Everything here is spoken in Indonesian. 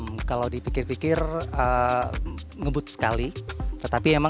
diatur atau ditata sedemikian rupa dengan teknologi itulah kereta cepat di mana mana